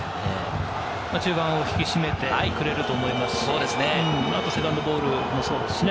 中盤を引き締めてくれると思いますし、あとセカンドボールもそうですね。